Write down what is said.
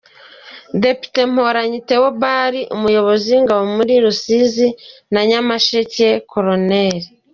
Depite Mporanyi Theobald, Umuyobozi w’Ingabo muri Rusizi na Nyamasheke Col.